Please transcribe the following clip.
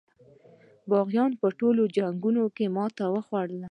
یاغیانو په ټولو جنګونو کې ماته وخوړه.